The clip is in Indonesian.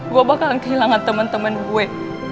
gue bakalan kehilangan temen temen gue